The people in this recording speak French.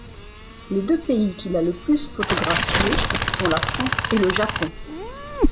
Les deux pays qu'il a le plus photographié sont la France et le Japon.